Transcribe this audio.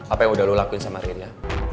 apa yang udah lu lakuin sama rirya